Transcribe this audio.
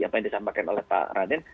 apa yang disampaikan oleh pak raden